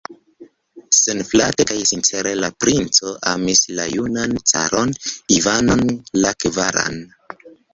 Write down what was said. Senflate kaj sincere la princo amis la junan caron Ivanon la kvaran.